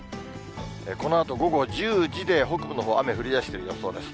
このあと午後１０時で北部のほう、雨降りだしてる予想です。